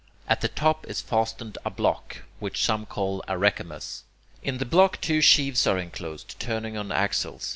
At the top is fastened a block, which some call a "rechamus." In the block two sheaves are enclosed, turning on axles.